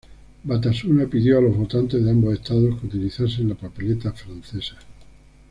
Batasuna pidió a los votantes de ambos estados que utilizasen la papeleta francesa.